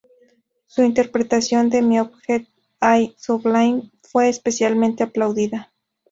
Su interpretación de ‘’My Object All Sublime’’ fue especialmente aplaudida.